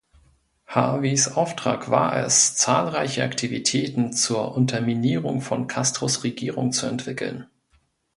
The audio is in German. Harveys Auftrag war es, zahlreiche Aktivitäten zur Unterminierung von Castros Regierung zu entwickeln.